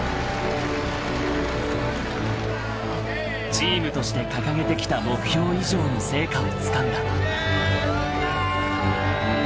［チームとして掲げてきた目標以上の成果をつかんだ］